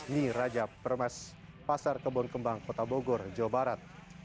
nyi rajap permas pasar kebun kembang kota bogor jawa barat